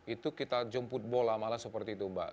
itu kita jemput bola malah seperti itu mbak